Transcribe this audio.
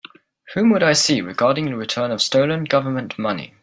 Whom would I see regarding the return of stolen Government money?